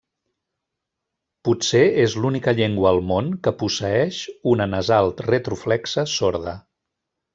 Potser és l'única llengua al món que posseeix una nasal retroflexa sorda.